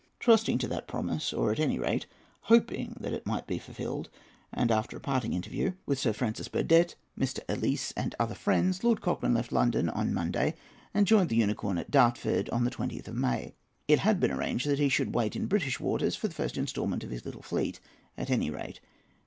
Trusting to that promise, or at any rate hoping that it might be fulfilled, and after a parting interview with Sir Francis Burdett, Mr. Ellice, and other friends, Lord Cochrane left London on Monday, and joined the Unicorn, at Dartford, on the 20th of May. It had been arranged that he should wait in British waters for the first instalment of his little fleet, at any rate.